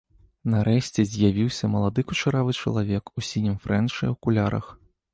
Нарэшце з'явіўся малады кучаравы чалавек у сінім фрэнчы, у акулярах.